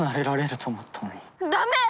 ダメ！